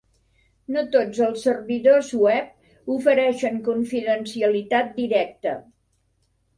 No tots els servidors web ofereixen confidencialitat directa.